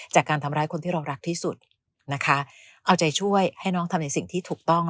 จากการทำร้ายคนที่เรารักที่สุดนะคะเอาใจช่วยให้น้องทำในสิ่งที่ถูกต้อง